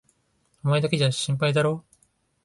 お前だけじゃ心配だろう？